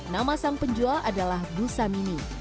nama sang penjual adalah bu samini